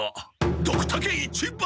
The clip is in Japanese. ドクタケ一番！